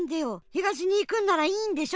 東にいくんならいいんでしょ。